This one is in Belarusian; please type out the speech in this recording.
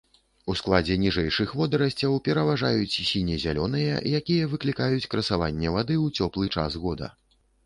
У складзе ніжэйшых водарасцяў пераважаюць сіне-зялёныя, якія выклікаюць красаванне вады ў цёплы час года.